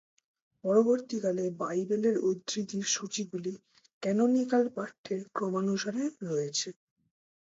পরবর্তীকালে বাইবেলের উদ্ধৃতির সূচিগুলি ক্যানোনিকাল পাঠ্যের ক্রমানুসারে রয়েছে।